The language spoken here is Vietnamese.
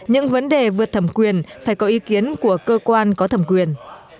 những vấn đề vượt thẩm quyền phải có ý kiến của cơ quan có thẩm quyền